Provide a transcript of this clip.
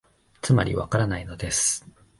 つまり、わからないのです